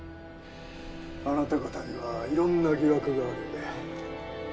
あなた方にはいろんな疑惑があるようで。